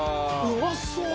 うまそう！